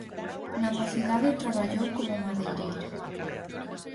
Na mocidade traballou como madeireiro.